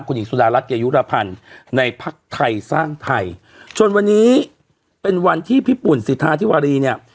คุณหญิงสุดารัฐเกยุรพันธ์ในภักดิ์ไทยสร้างไทยจนวันนี้เป็นวันที่พี่ปุ่นสิทธาธิวารีเนี่ย